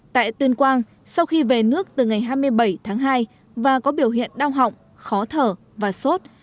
tại tuyên quang sau khi về nước từ ngày hai mươi bảy tháng hai và có biểu hiện đau họng khó thở và sốt